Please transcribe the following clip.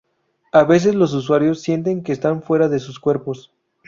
A veces los usuarios sienten que están fuera de sus cuerpos.